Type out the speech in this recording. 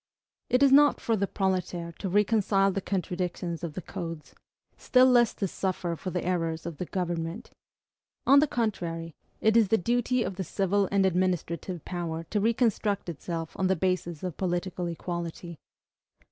It is not for the proletaire to reconcile the contradictions of the codes, still less to suffer for the errors of the government. On the contrary, it is the duty of the civil and administrative power to reconstruct itself on the basis of political equality.